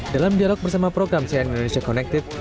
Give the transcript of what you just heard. dalam dialog bersama program cn indonesia connected